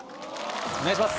お願いします